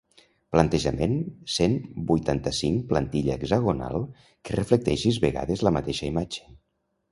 Plantejament cent vuitanta-cinc plantilla hexagonal que reflecteix sis vegades la mateixa imatge.